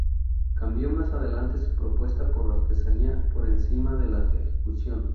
Cambió más adelante su propuesta por "Artesanía por encima de la ejecución".